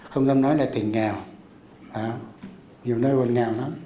không dám nói là tỉnh nghèo nhiều nơi còn nghèo lắm